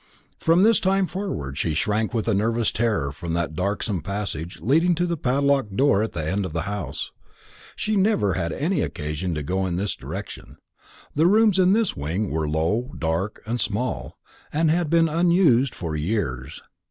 From this time forward she shrank with a nervous terror from that darksome passage leading to the padlocked door at the end of the house. She had never any occasion to go in this direction. The rooms in this wing were low, dark, and small, and had been unused for years.